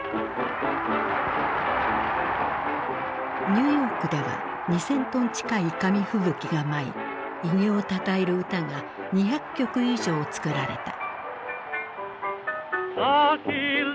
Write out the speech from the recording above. ニューヨークでは２，０００トン近い紙吹雪が舞い偉業をたたえる歌が２００曲以上作られた。